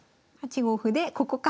８五歩でここか。